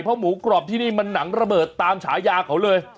เพราะหมูกรอบที่นี่มันหนังระเบิดตามฉายาเขาเลย